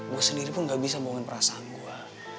gue sendiri pun gak bisa bohongkan perasaan gue